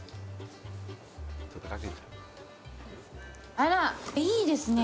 あらいいですね